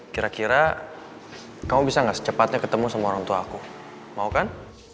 kira kira kamu bisa nggak secepatnya ketemu sama orang tua aku mau kan